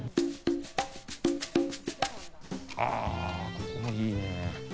ここもいいね。